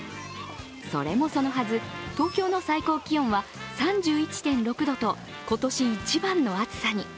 それもそのはず、東京の最高気温は３１．６度と今年一番の暑さに。